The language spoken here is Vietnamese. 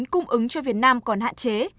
cung ứng cho việt nam còn hạn chế